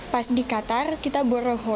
pas di qatar kita boroho